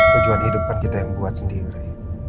tujuan hidup kan kita yang buat sendiri